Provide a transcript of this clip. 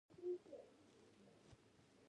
قهوه د شاعر له قلم سره مل ده